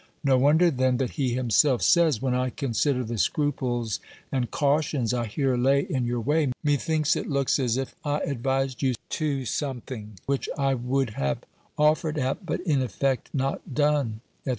No wonder, then, that he himself says, "When I consider the scruples and cautions I here lay in your way, methinks it looks as if I advised you to something which I would have offered at, but in effect not done," &c.